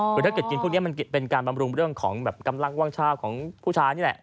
คือถ้าเกิดกินพวกนี้มันเป็นการบำรุงเรื่องของแบบกำลังว่างชาติของผู้ชายนี่แหละ